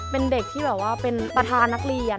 เป็นเด็กที่แบบว่าเป็นประธานนักเรียน